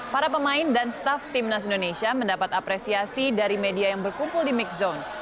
para pemain dan staff timnas indonesia mendapat apresiasi dari media yang berkumpul di mix zone